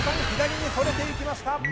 左にそれていきました。